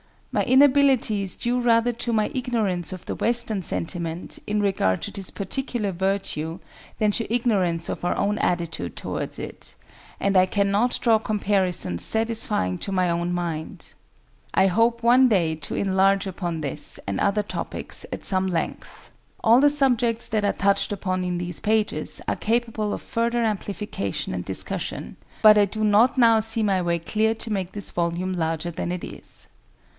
My inability is due rather to my ignorance of the Western sentiment in regard to this particular virtue, than to ignorance of our own attitude towards it, and I cannot draw comparisons satisfying to my own mind. I hope one day to enlarge upon this and other topics at some length. All the subjects that are touched upon in these pages are capable of further amplification and discussion; but I do not now see my way clear to make this volume larger than it is.